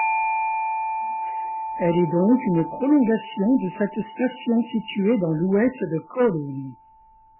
Elle est donc une prolongation de cette station située dans l'Ouest de Kowloon.